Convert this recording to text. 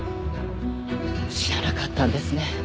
知らなかったんですね